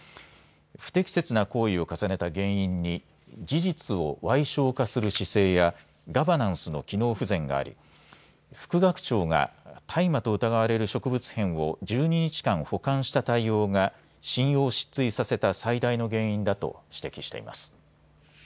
不適切な行為を重ねた原因に事実をわい小化する姿勢やガバナンスの機能不全があり副学長が大麻と疑われる植物片を１２日間保管した対応が信用を失墜させた最大の原因だと指摘しています。